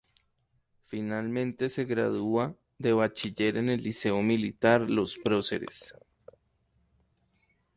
Finalmente se gradúa de bachiller en el liceo militar Los Próceres.